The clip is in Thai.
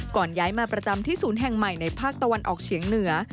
ย้ายมาประจำที่ศูนย์แห่งใหม่ในภาคตะวันออกเฉียงเหนือ